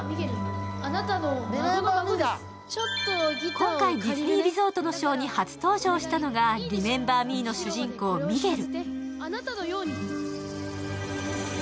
今回、ディズニーリゾートのショーに初登場したのが「リメンバー・ミー」の主人公・ミゲル。